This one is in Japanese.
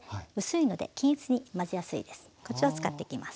こちらを使っていきます。